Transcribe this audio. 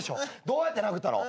どうやって殴ったの？